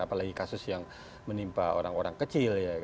apalagi kasus yang menimpa orang orang kecil